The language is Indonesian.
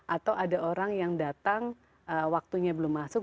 atau ada orang yang datang waktunya belum masuk